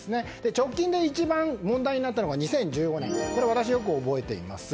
直近で一番問題になったのが２０１５年、私よく覚えています。